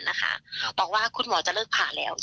ช่วงเที่ยงที่ผ่านมาทางครอบครัวให้ข้อมูลกับทางสนหัวหมาก